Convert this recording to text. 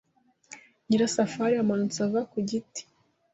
Nyirasafari yamanutse ava ku giti.